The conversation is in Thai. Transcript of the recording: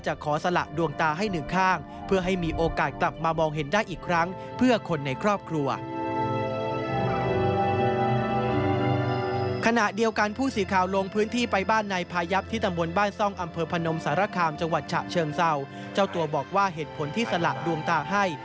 เจ้าตัวบอกว่าเหตุผลที่สลักดวงตาให้